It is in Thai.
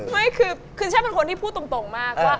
ไม่คือฉันเป็นคนที่พูดตรงมากว่า